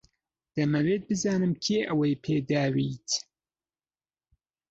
دەمەوێت بزانم کێ ئەوەی پێداویت.